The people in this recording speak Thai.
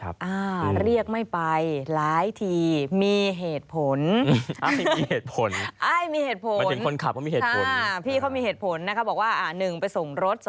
พี่เขามีเหตุผลที่บอกว่า๑ไปส่งรถ